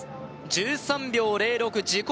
１３秒０６自己